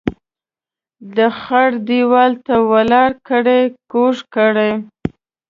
د خړ ديوال ته ولاړ ګړی کوږ کړ.